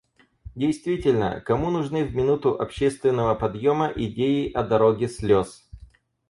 Действительно, кому нужны в минуту общественного подъёма идеи о «дороге слез».